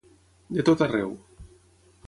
De tot arreu.